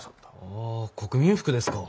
ああ国民服ですか。